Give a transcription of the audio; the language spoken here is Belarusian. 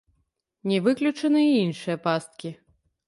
Не выключаны і іншыя пасткі.